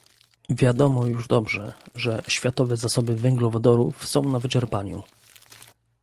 Wiadomo już dobrze, że światowe zasoby węglowodorów są na wyczerpaniu